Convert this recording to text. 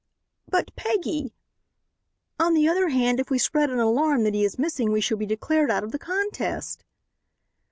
"But, Peggy " "On the other hand, if we spread an alarm that he is missing we shall be declared out of the contest."